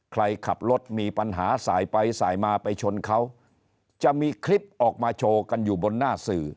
ใครขับรถมีปัญหาสายไปสายมาไปชนเขาจะมีคลิปออกมาโชว์กันอยู่บนหน้าสื่อ